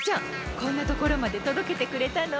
こんなところまで届けてくれたの？